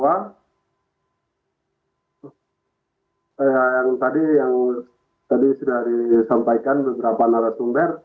yang tadi sudah disampaikan beberapa narasumber